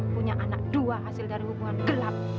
punya anak dua hasil dari hubungan gelap